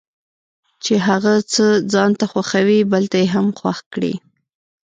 چې هغه څه ځانته خوښوي بل ته یې هم خوښ کړي.